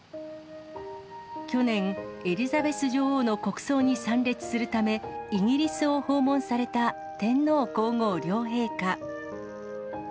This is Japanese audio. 去年、エリザベス女王の国葬に参列するため、イギリスを訪問された天皇皇后両陛下。